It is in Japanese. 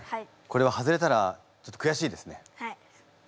これは外れたらちょっとくやしいですね。